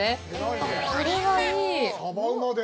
あっ、これはいい！